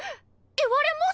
言われもす！